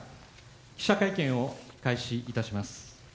記者会見を開始いたします。